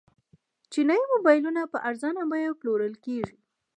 چینايي موبایلونه په ارزانه بیه پلورل کیږي.